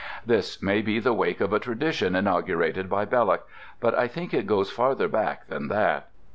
This may be the wake of a tradition inaugurated by Belloc; but I think it goes farther back than that.